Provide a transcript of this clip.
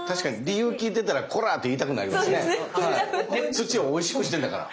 土をおいしくしてんだから。